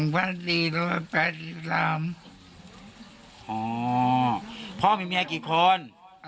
พ่อมีเมียกี่คน